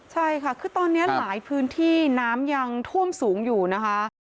ใช่ค่ะคือตอนนี้หลายพื้นที่น้ำยังท่วมสูงอยู่นะคะ